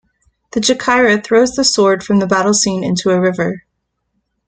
The Jachyra throws the sword from the battle scene into a river.